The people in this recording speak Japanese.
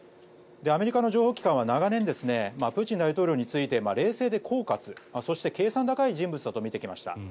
アメリカの情報機関は長年プーチン大統領について冷静でこうかつそして計算高い人物だと見てきました。